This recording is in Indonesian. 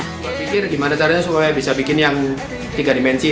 saya pikir gimana caranya supaya bisa bikin yang tiga dimensi